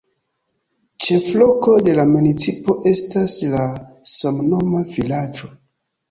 Ĉefloko de la municipo estas la samnoma vilaĝo.